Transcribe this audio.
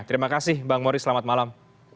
terima kasih bang mori selamat malam